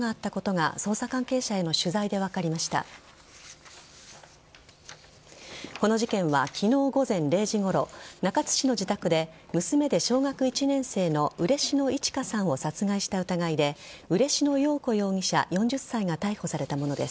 この事件は昨日午前０時ごろ中津市の自宅で娘で小学１年生の嬉野いち花さんを殺害した疑いで嬉野陽子容疑者、４０歳が逮捕されたものです。